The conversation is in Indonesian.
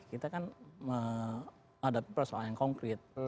kita kan menghadapi persoalan yang konkret